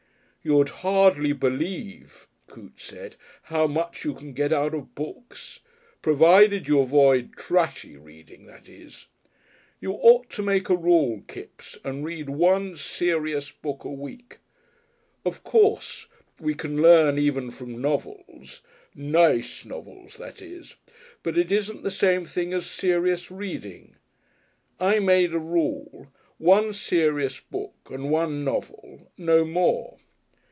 "You'd hardly believe," Coote said, "how much you can get out of books. Provided you avoid trashy reading, that is. You ought to make a rule, Kipps, and read one Serious Book a week. Of course, we can Learn even from Novels, Nace Novels that is, but it isn't the same thing as serious reading. I made a rule, One Serious Book and One Novel no more.